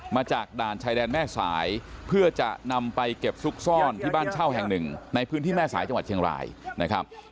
จากด่านชายแดนแม่สายเพื่อจะนำไปเก็บซุกซ่อนที่บ้านเช่าแห่งหนึ่งในพื้นที่แม่สายจังหวัดเชียงรายนะครับ